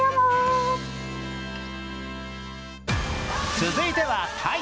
続いてはタイ